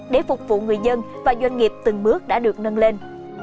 để phục vụ người dân và doanh nghiệp từng bước đã được nâng lên